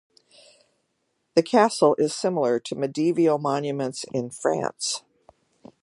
The Castle is similar to medieval monuments in France.